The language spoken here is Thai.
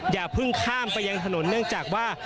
อย่าเพิ่งข้ามไปยังถนนเนื่องจากว่า